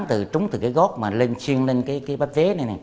địa hình bị cô lập chia cắt